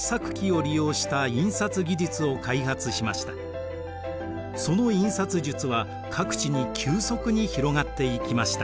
グーテンベルクは更にその印刷術は各地に急速に広がっていきました。